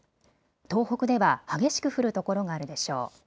東北では激しく降る所があるでしょう。